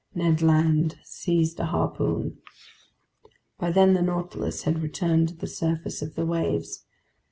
Ned Land seized a harpoon. By then the Nautilus had returned to the surface of the waves.